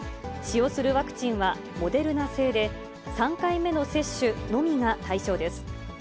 使用するワクチンはモデルナ製で、３回目の接種のみが対象です。